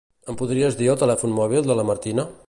Em podries dir el telèfon mòbil de la Martina?